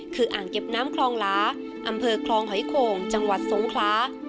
คืออ่างเก็บน้ำคลองหลาอำเภอคลองหอยโข่งจังหวัดสงคลา